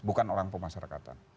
bukan orang pemasarakatan